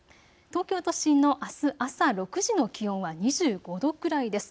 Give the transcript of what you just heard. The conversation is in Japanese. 東京都心のあす朝６時の気温は２５度くらいです。